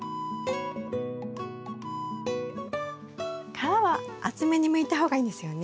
皮は厚めにむいた方がいいんですよね？